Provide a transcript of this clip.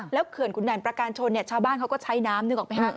เขื่อนขุนด่านประการชนเนี่ยชาวบ้านเขาก็ใช้น้ำนึกออกไหมฮะ